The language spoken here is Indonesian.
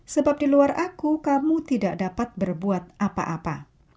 sebab di luar aku kamu tidak dapat berbuat apa apa